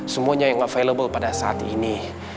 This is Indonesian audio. semuanya yang available pada saat ini